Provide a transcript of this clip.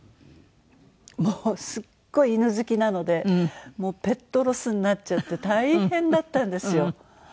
もうすっごい犬好きなのでもうペットロスになっちゃって大変だったんですよ。